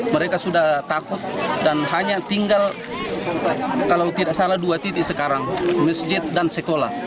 mereka sudah takut dan hanya tinggal kalau tidak salah dua titik sekarang masjid dan sekolah